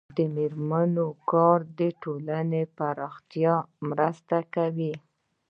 د میرمنو کار د ټولنې پراختیا مرسته کوي.